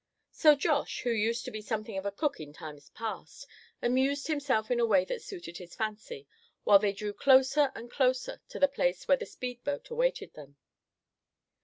So Josh, who used to be something of a cook in times past, amused himself in a way that suited his fancy, while they drew closer and closer to the place where the speed boat awaited them.